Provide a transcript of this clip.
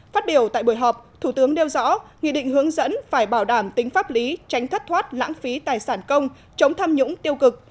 phát biểu tại buổi họp thủ tướng đeo rõ nghị định hướng dẫn phải bảo đảm tính pháp lý tránh thất thoát lãng phí tài sản công chống tham nhũng tiêu cực